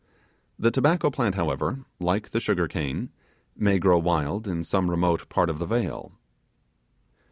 The tobacco plant, however, like the sugar cane, may grow wild in some remote part of the vale.